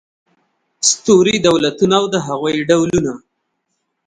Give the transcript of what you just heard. ستوري دولتونه او د هغوی ډولونه